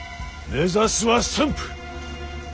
目指すは駿府！